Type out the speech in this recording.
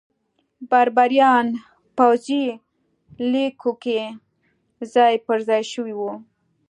بربریان پوځي لیکو کې ځای پرځای شوي وو.